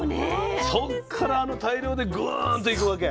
そっからあの大量でグーンといくわけ？